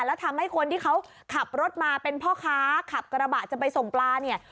แล้วทำให้คนที่เขาขับรถมาเป็นพ่อค้าขับกระบะจะไปส่งปลาเนี่ย